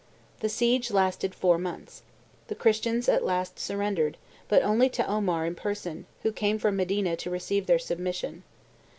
The siege lasted four months. The Christians at last surrendered, but only to Omar in person, who came from Medina to receive their submission.